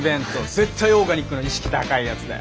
絶対オーガニックの意識高いやつだよ。